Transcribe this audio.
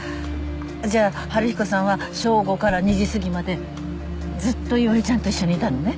じゃあ春彦さんは正午から２時すぎまでずっと伊織ちゃんと一緒にいたのね？